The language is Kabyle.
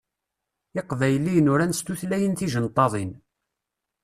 Iqbayliyen uran s tutlayin tijenṭaḍin.